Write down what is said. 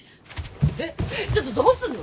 えっちょっとどうするの。